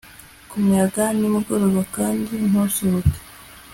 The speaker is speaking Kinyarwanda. Ku muyaga nimugoroba kandi ntusohoke